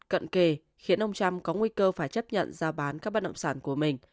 cận kề khiến ông trump có nguy cơ phải chấp nhận ra bán các bất động sản của mình